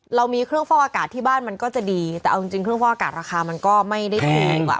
เรามีเครื่องฟอกอากาศที่บ้านมันก็จะดีแต่เอาจริงเครื่องฟอกอากาศราคามันก็ไม่ได้ถูกกว่า